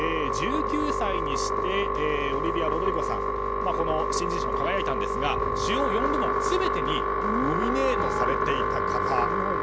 １９歳にしてオリビア・ロドリゴさんがこの新人賞に輝いたんですが主要４部門全てにノミネートされていた方。